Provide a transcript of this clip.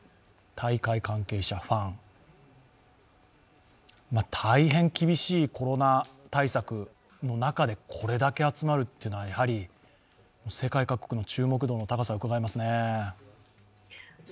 大会関係者、ファン、大変厳しいコロナ対策の中でこれだけ集まるというのは、やはり世界各国の注目度の高さがうかがえますね。